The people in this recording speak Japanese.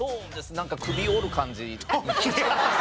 なんか首を折る感じ。